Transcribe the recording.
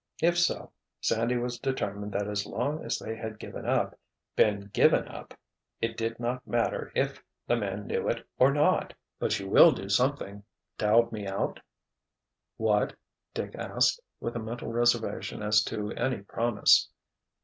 If so, Sandy was determined that as long as they had given up, been given up, it did not matter if the man knew it or not. "But you will do something! To help me out?" "What?" Dick asked, with a mental reservation as to any promise.